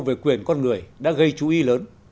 về quyền con người đã gây chú ý lớn